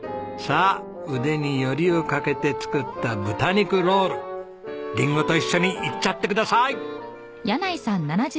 さあ腕によりをかけて作った豚肉ロールリンゴと一緒にいっちゃってください！